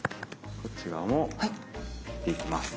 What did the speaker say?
こっち側も切っていきます。